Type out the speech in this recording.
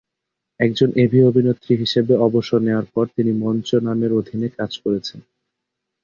একজন এভি অভিনেত্রী হিসেবে অবসর নেওয়ার পর, তিনি মঞ্চ নামের অধীনে কাজ করেছেন।